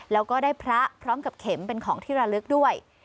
แล้วก็ได้พระพร้อมกับเข็มเป็นของที่ระลึกด้วย